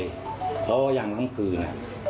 เพราะว่าอย่างนั้นทั้งคืน